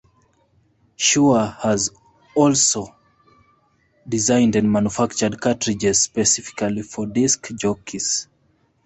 Shure has also designed and manufactured cartridges specifically for disc jockeys.